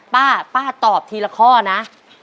ป้าป้าตอบทีละข้อนะ